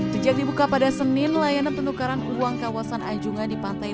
sejak dibuka pada senin layanan penukaran uang kawasan anjungan di pantai